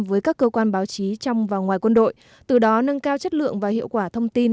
với các cơ quan báo chí trong và ngoài quân đội từ đó nâng cao chất lượng và hiệu quả thông tin